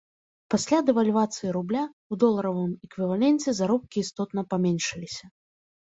Пасля дэвальвацыі рубля, у доларавым эквіваленце заробкі істотна паменшыліся.